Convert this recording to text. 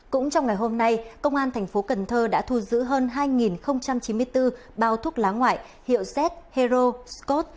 cũng trong ngày hôm nay công an tp cnh đã thu giữ hơn hai chín mươi bốn bao thuốc lá ngoại hiệu z hero scot